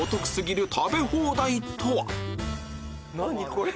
これ。